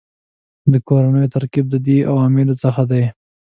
د کورنیو ترکیب د دې عواملو څخه دی